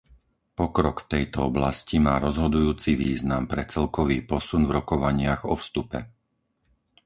Pokrok v tejto oblasti má rozhodujúci význam pre celkový posun v rokovaniach o vstupe.